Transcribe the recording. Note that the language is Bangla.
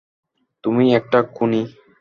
তুমি একটা খুনি!